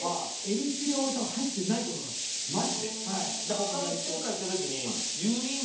他の中華行った時に油淋鶏